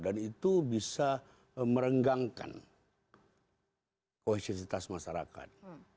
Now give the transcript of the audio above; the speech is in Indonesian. dan itu bisa merenggangkan posisitas masyarakat